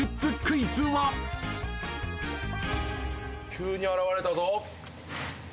急に現れたぞ。